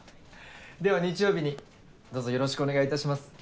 では日曜日にどうぞよろしくお願いいたします。